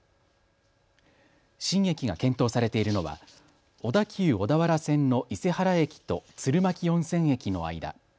新駅が検討されているのは小田急小田原線の伊勢原駅と鶴巻温泉駅の間。